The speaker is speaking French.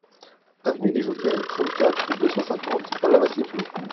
Avenue des Jockeys, trente-quatre, deux cent cinquante Palavas-les-Flots